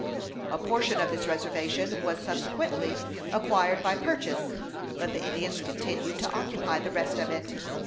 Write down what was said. A portion of this reservation was subsequently acquired by purchase, but the Indians continued to occupy the rest of it.